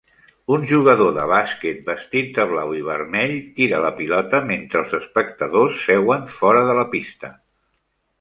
Un jugador de bàsquet vestit de blau i vermell tira la pilota mentre els espectadors seuen fora de la pista.